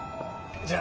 じゃあ。